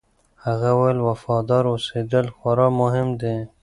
هغه وویل، وفادار اوسېدل خورا مهم دي.